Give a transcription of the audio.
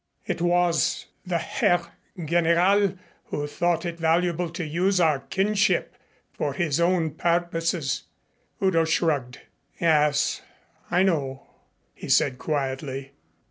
It was the Herr General who thought it valuable to use our kinship for his own purposes." Udo shrugged. "Yes, I know," he said quietly.